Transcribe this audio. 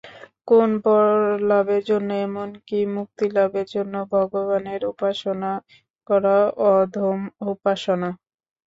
কোন বরলাভের জন্য, এমন কি মুক্তিলাভের জন্যও ভগবানের উপাসনা করা অধম উপাসনা।